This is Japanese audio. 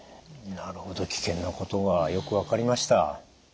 なるほど危険なことがよく分かりました。